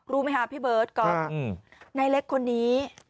รู้ไหมคะพี่เบิร์ตก๊อฟนายเล็กคนนี้